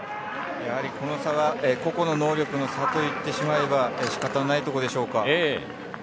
やはりこの差は個々の能力の差と言ってしまえば仕方のないところでしょうか。